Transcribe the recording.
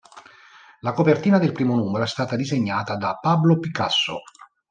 La copertina del primo numero è stata disegnata da Pablo Picasso.